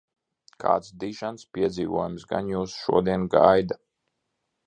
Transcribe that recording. Kāds dižens piedzīvojums gan jūs šodien gaida?